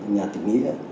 nhà tỉnh nghĩa